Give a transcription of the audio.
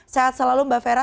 sehat selalu mbak fera